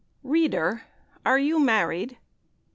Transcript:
READER! are you married?